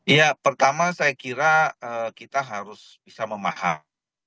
ya pertama saya kira kita harus bisa memahami